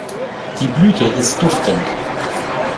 Die Blüte ist duftend.